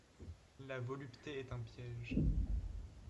La volupté est un piège.